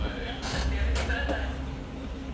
ちょっとやめてください。